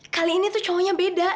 kali ini tuh cowoknya beda